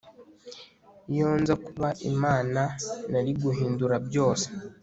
Iyo nza kuba Imana nari guhindura byose